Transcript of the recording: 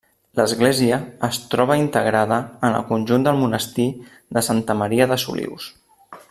L'església es troba integrada en el conjunt del monestir de Santa Maria de Solius.